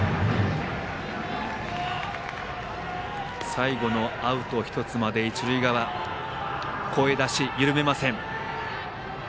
最後のアウト１つまで一塁側、声出し緩めません。